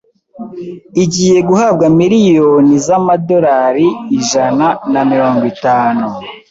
igiye guhabwa miliyoni zama $ ijana namirongo itanu